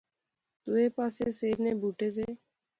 دوئے پاسے سیب نے بوٹے زے